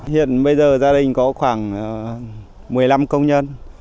hiện bây giờ gia đình có khoảng một mươi năm công nhân